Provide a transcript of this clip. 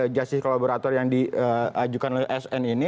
justice kolaborator yang diajukan oleh sn ini